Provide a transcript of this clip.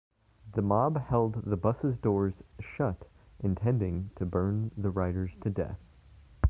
The mob held the bus' doors shut, intending to burn the riders to death.